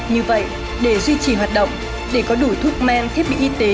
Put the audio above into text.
như vậy để duy trì hoạt động để có đủ thuốc men thiết bị y tế